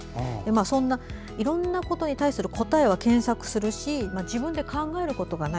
そんな、いろいろなことに対する答えを検索するし自分で考えることがない。